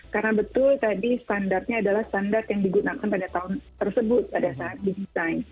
karena betul tadi standarnya adalah standar yang digunakan pada tahun tersebut pada saat design